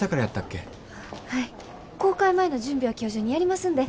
公開前の準備は今日中にやりますんで。